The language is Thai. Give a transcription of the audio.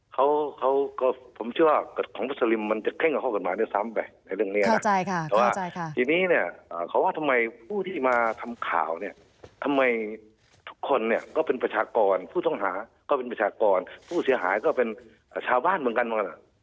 เขาก็ผมเชื่อว่าคนมุสลิมมันจะแข้งกันมากันมากขึ้นในเรื่องนี้